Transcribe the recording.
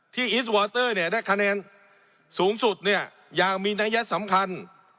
อีสวอเตอร์ได้คะแนนสูงสุดเนี่ยอย่างมีนัยสำคัญ